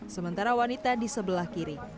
sementara wanita di sebelah kiri